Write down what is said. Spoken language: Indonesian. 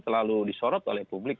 selalu disorot oleh publik